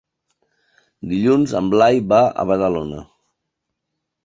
Dilluns en Blai va a Badalona.